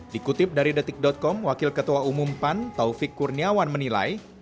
dikutip dari detik com wakil ketua umum pan taufik kurniawan menilai